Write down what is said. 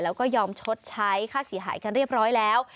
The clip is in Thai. แล้วก็ยอมชดใช้ค่าเสียหายกันเรียบร้อยแล้ว